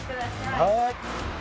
はい。